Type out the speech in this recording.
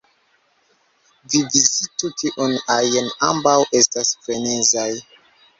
Vi vizitu kiun ajn; ambaŭ estas frenezaj.